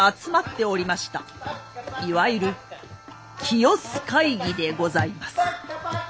いわゆる清須会議でございます。